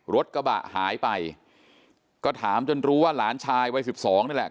รถกระบะหายไปก็ถามจนรู้ว่าหลานชายวัยสิบสองนี่แหละ